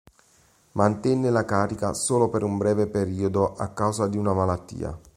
Mantenne la carica solo per un breve periodo a causa di una malattia.